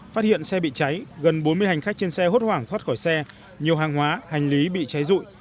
phát hiện xe bị cháy gần bốn mươi hành khách trên xe hốt hoảng thoát khỏi xe nhiều hàng hóa hành lý bị cháy rụi